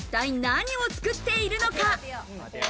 一体、何を作っているのか？